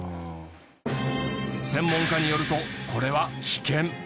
専門家によるとこれは危険。